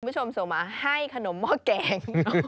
คุณผู้ชมส่งมาให้ขนมหม้อแกง